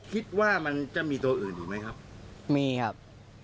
คิดว่ามันจะมีตัวอื่นอีกไหมครับมีครับ